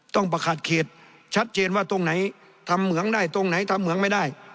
ต้องประขาดเขตชัดเจนว่าตรงไหนทำเหมืองได้ตรงไหนทำเหมืองไม่ได้